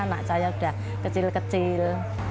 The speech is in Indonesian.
karena anak saya sudah kecil kecil